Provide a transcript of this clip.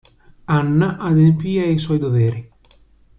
Anna adempì ai suoi doveri.